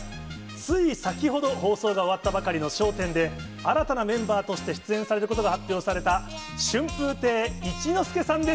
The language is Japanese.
つい先ほど放送が終わったばかりの笑点で、新たなメンバーとして出演されることが発表された、春風亭一之輔さんです。